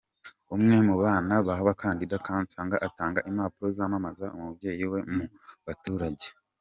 Umwe mu bana ba kandida Kansanga atanga impapuro zamamaza umubyeyi we mu baturage.